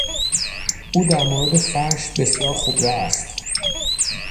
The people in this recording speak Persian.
او در مورد فرش بسیار خبره است.